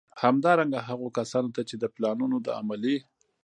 همدارنګه، هغو کسانو ته چي د پلانونو د عملي